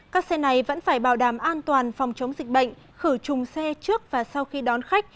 các xe này vẫn phải bảo đảm an toàn phòng chống dịch bệnh khử trùng xe trước và sau khi đón khách